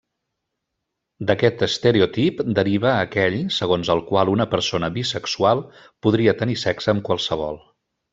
D'aquest estereotip, deriva aquell segons el qual una persona bisexual podria tenir sexe amb qualsevol.